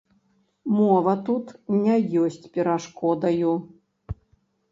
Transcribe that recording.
Мова тут не ёсць перашкодаю.